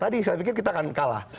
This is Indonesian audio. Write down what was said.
tadi saya pikir kita akan kalah